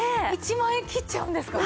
１万円切っちゃうんですか？